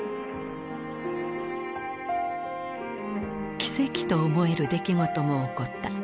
奇跡と思える出来事も起こった。